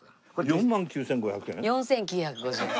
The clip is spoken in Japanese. ４万９５００円？